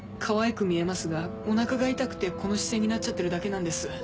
かわいく見えますがお腹が痛くてこの姿勢になっちゃってるだけなんです。